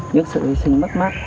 những sự hi sinh mất mát